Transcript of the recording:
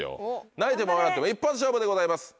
泣いても笑っても一発勝負でございます。